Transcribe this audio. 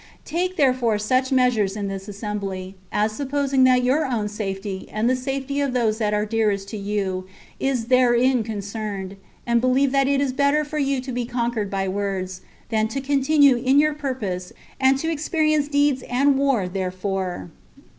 Take therefore such measures in this assembly, as supposing that your own safety, and the safety of those that are dearest to you, is therein concerned, and believe that it is better for you to be conquered by words, than to continue in your purpose, and to experience deeds and war therefore."